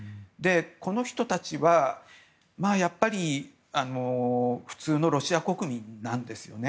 この人たちは、やっぱり普通のロシア国民なんですよね。